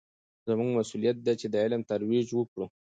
زموږ مسوولیت دی چې د علم ترویج وکړو.